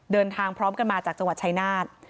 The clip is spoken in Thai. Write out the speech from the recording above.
เดินทางพร้อมกันมาจากจังหวัดชายนาฏ